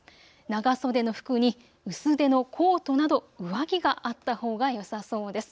長袖の服に薄手のコートなど上着があったほうがよさそうです。